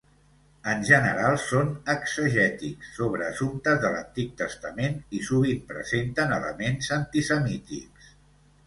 En general són exegètics, sobre assumptes de l'Antic Testament i sovint presenten elements antisemítics.